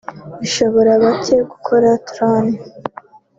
Bishobora bake gukora tournee